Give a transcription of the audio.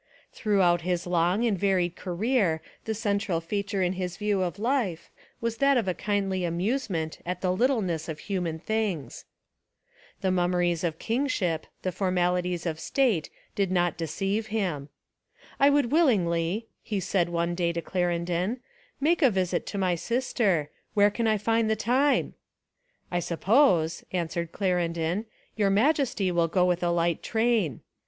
Throughout his long and varied career the central feature in his view of life was that of a kindly amusement at the little ness of human things. The mummeries of kingship, the formalities of state did not de ceive him. "I would willingly," he said one day to Clarendon, "make a visit to my sister; where can I find the time?" "I suppose," an swered Clarendon, "your Majesty will go with a light train."